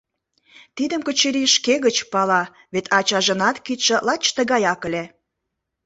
Тидым Качырий шке гыч пала, вет ачажынат кидше лач тыгаяк ыле.